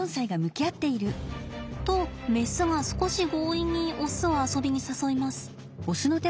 とメスが少し強引にオスを遊びに誘います。